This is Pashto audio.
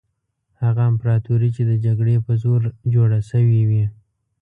هغه امپراطوري چې د جګړې په زور جوړه شوې وي.